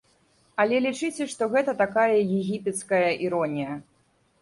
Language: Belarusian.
Але лічыце, што гэта такая егіпецкая іронія.